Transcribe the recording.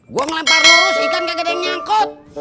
gue ngelempar lurus ikan kayak gede yang nyangkut